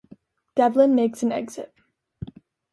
Devlin makes an exit.